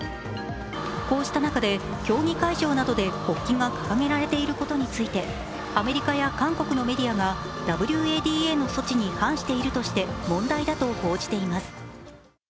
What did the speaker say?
こうした中で競技会場などで国旗が掲げられていることについてアメリカや韓国のメディアがＷＡＤＡの措置に反しているとして問題だと報じています。